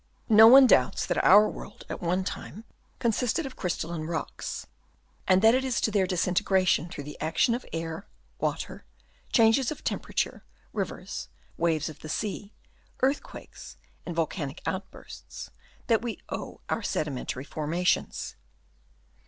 No one doubts that our world at one time consisted of crystalline rocks, and that it is to their disintegration through the action of air, water, changes of temperature, rivers, waves of the sea, earthquakes and volcanic outbursts, that we owe our sedimentary formations.